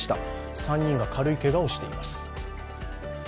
３人が軽いけがをしています。